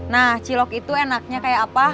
nah cilok itu enaknya kayak apa